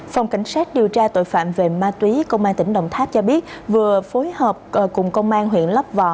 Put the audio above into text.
phòng cảnh sát điều tra tội phạm về ma túy công an tỉnh đồng tháp cho biết vừa phối hợp cùng công an huyện lấp vò